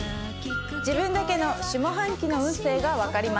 自分だけの下半期の運勢が分かります。